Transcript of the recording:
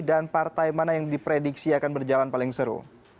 dan partai mana yang diprediksi akan berjalan paling seru